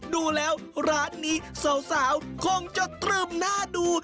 ดูแล้วร้านนี้สาวคงจะตรึมหน้าดู